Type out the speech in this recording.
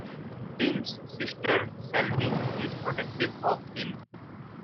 Tim's sister, Sylvie, is protective of him.